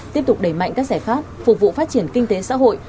tiếp tục đẩy mạnh các giải pháp phục vụ phát triển kinh tế xã hội